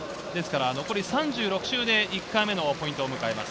残り３６周で１回目のポイントを迎えます。